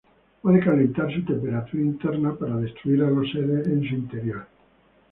Puede calentar su temperatura interna para destruir a los seres en su interior.